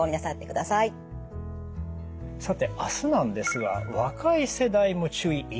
さてあすなんですが「若い世代も注意！